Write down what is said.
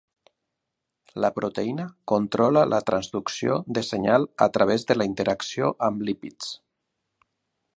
La proteïna controla la transducció de senyal a través de la interacció amb lípids.